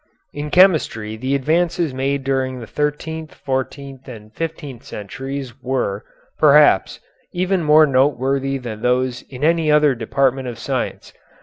In chemistry the advances made during the thirteenth, fourteenth, and fifteenth centuries were, perhaps, even more noteworthy than those in any other department of science.